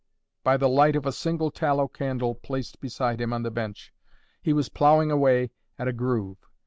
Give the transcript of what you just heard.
By the light of a single tallow candle placed beside him on the bench, he was ploughing away at a groove.